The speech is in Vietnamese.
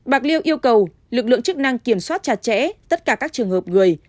bạc liêu yêu cầu lực lượng chức năng kiểm soát chặt chẽ tất cả các trường hợp người